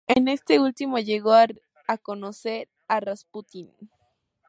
En este último llegó a conocer a Rasputín.